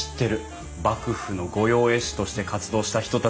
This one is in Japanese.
幕府の御用絵師として活動した人たちでしょ。